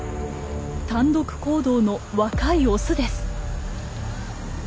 単独行動の若いオスです。